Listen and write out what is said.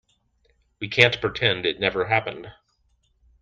We can't pretend it never happened.